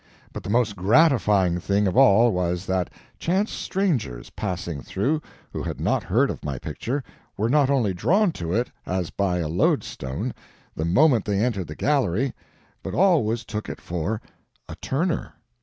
But the most gratifying thing of all was, that chance strangers, passing through, who had not heard of my picture, were not only drawn to it, as by a lodestone, the moment they entered the gallery, but always took it for a "Turner."